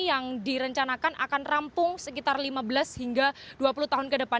yang direncanakan akan rampung sekitar lima belas hingga dua puluh tahun ke depan